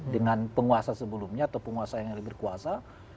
dengan penguasa sebelumnya atau penguasa yang lebih berkuasa